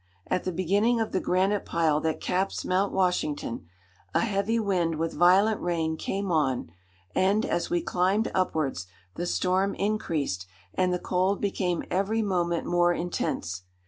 At the beginning of the granite pile that caps Mount Washington, a heavy wind with violent rain came on, and, as we climbed upwards, the storm increased, and the cold became every moment more intense.